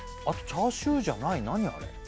あとチャーシューじゃない何あれ？